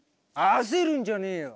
焦るんじゃねえよ！